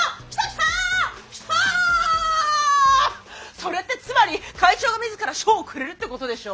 それってつまり会長が自ら賞をくれるってことでしょ！？